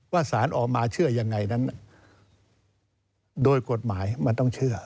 สารออกมาเชื่อยังไงนั้นโดยกฎหมายมันต้องเชื่อ